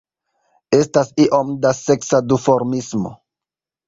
Estas iom da seksa duformismo.